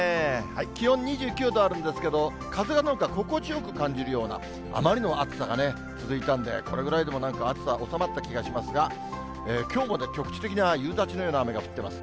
気温２９度あるんですけど、風がなんか心地よく感じるような、あまりの暑さがね、続いたんで、これぐらいでもなんか暑さ収まった気がしますが、きょうも局地的な夕立のような雨が降ってます。